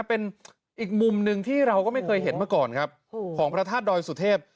เป็นอีกมุมหนึ่งที่เราก็ไม่เคยเห็นมาก่อนครับของพระธาตุดอยสุเทพ